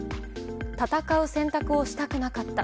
戦う選択をしたくなかった。